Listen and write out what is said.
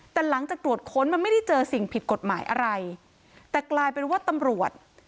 แต่หลังจากตรวจค้นมันไม่ได้เจอสิ่งผิดกฎหมายอะไรแต่กลายเป็นว่าตำรวจ